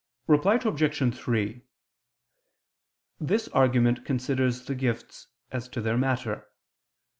Reply Obj. 3: This argument considers the gifts as to their matter.